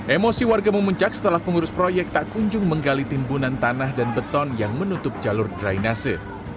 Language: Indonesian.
emosi warga memuncak setelah pengurus proyek tak kunjung menggali timbunan tanah dan beton yang menutup jalur drainase